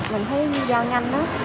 mình thấy giao nhanh lắm